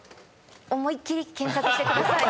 思いっ切り検索してください。